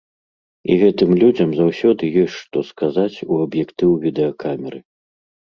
І гэтым людзям заўсёды ёсць што сказаць у аб'ектыў відэакамеры.